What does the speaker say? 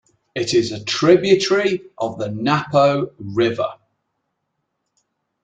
It is a tributary of the Napo River.